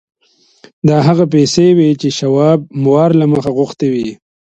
دا هغه پیسې وې چې شواب وار له مخه غوښتي وو